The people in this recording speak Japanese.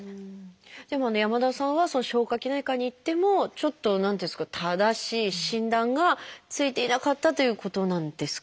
でもね山田さんは消化器内科に行ってもちょっと何ていうんですか正しい診断がついていなかったということなんですか？